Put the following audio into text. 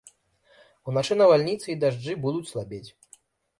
Уначы навальніцы і дажджы будуць слабець.